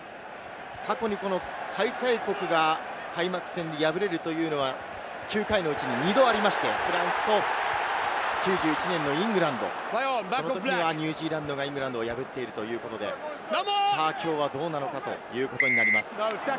過去に開催国が開幕戦で敗れるというのは９回のうちの２度ありまして、フランスと９１年のイングランド、その時にはニュージーランドがイングランドを破っているということで、きょうはどうなのかということになります。